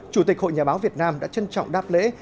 chủ tịch hội nhà báo việt nam đã trân trọng đáp lễ